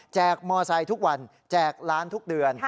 กมอไซค์ทุกวันแจกล้านทุกเดือน